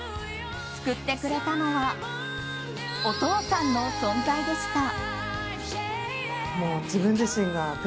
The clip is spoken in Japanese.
救ってくれたのはお父さんの存在でした。